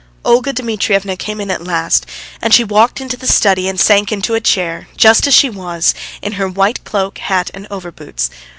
Olga Dmitrievna came in at last, and she walked into the study and sank into a chair just as she was in her white cloak, hat, and overboots.